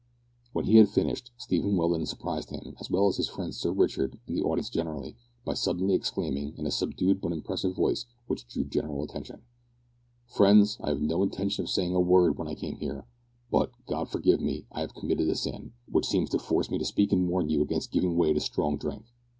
When he had finished, Stephen Welland surprised him, as well as his friend Sir Richard and the audience generally, by suddenly exclaiming, in a subdued but impressive voice, which drew general attention: "Friends, I had no intention of saying a word when I came here, but, God forgive me, I have committed a sin, which seems to force me to speak and warn you against giving way to strong drink.